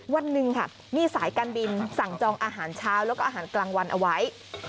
วันหนึ่งค่ะมีสายการบินสั่งจองอาหารเช้าแล้วก็อาหารกลางวันเอาไว้